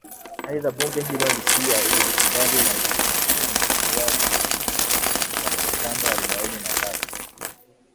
aidha bunge hilo pia lilikubali uanzishwaji wa programu arobaini na tatu